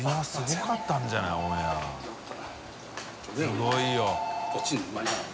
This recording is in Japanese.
すごいよ。